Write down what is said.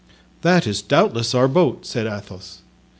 "That is doubtless our boat," said Athos.